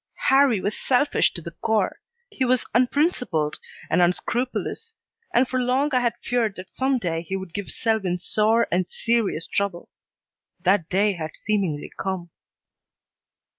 Harrie was selfish to the core; he was unprincipled and unscrupulous, and for long I had feared that some day he would give Selwyn sore and serious trouble. That day had seemingly come.